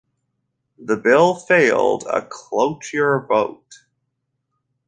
The bill failed a cloture vote.